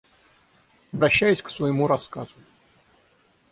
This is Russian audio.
Обращаюсь к своему рассказу.